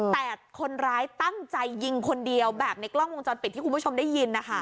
แต่คนร้ายตั้งใจยิงคนเดียวแบบในกล้องวงจรปิดที่คุณผู้ชมได้ยินนะคะ